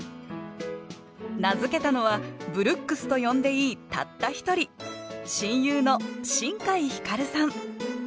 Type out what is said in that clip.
名付けたのは「ブルックス」と呼んでいいたった一人親友の新海光琉さん